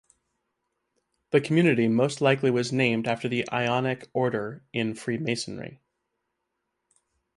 The community most likely was named after the Ionic order in Freemasonry.